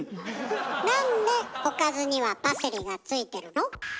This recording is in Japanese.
なんでおかずにはパセリがついてるの？